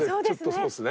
そうですね。